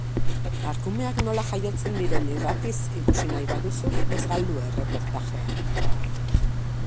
Arkumeak nola jaiotzen diren irratiz ikusi nahi baduzu, ez galdu erreportajea.